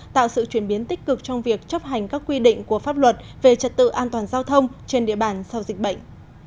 tạo sự chuyển biến tích cực trong việc chấp hành các quy định của pháp luật về trật tự an toàn giao thông trên địa bàn sau dịch bệnh